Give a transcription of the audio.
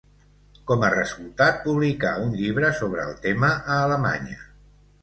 Com a resultat, publicà un llibre sobre el tema a Alemanya.